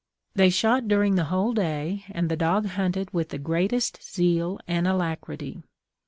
They shot during the whole day, and the dog hunted with the greatest zeal and alacrity.